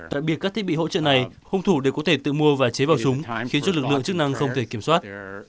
đặc biệt các thiết bị hỗ trợ này hung thủ đều có thể tự mua và chế vào súng khiến cho lực lượng chức năng không thể kiểm soát